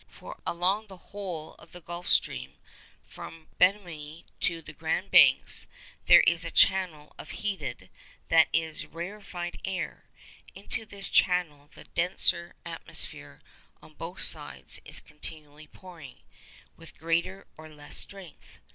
For, along the whole of the Gulf Stream, from Bemini to the Grand Banks, there is a channel of heated—that is, rarefied air. Into this channel, the denser atmosphere on both sides is continually pouring, with greater or less strength.